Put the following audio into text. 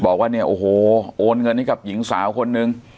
บอกว่าเนี่ยโอ้โหโอนเงินให้กับหญิงสาวคนนึง